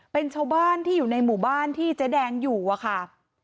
เป็นชาวบ้านที่อยู่ในหมู่บ้านที่เจ๊แดงอยู่อะค่ะ